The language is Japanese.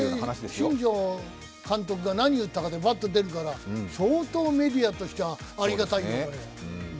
新庄監督が何言ったかでバッと出るから、相当メディアとしてはありがたいよ、これ。